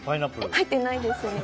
入ってないですね。